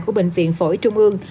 của bệnh viện phổi trung ương